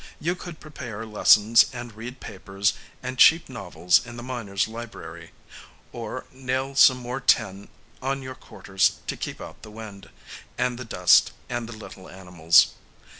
You could prepare lessons and read papers and cheap novels in the miners' library, or nail some more tin on your quarters to keep out the wind and the dust and the little animals.